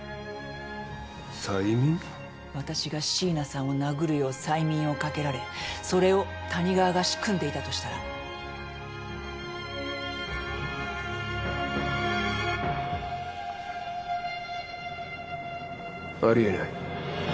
私が椎名さんを殴るよう催眠をかけられそれを谷川が仕組んでいたとしたら？ありえない。